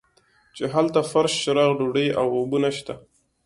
چې هلته فرش چراغ ډوډۍ او اوبه نشته.